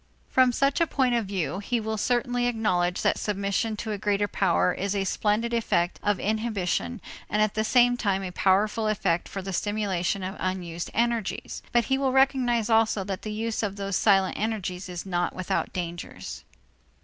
From such a point of view, he will certainly acknowledge that submission to a greater power is a splendid effect of inhibition and at the same time a powerful effect for the stimulation of unused energies; but he will recognize also that the use of those silent energies is not without dangers.